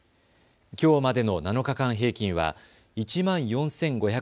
きょうまでの７日間平均は１万４５８６．４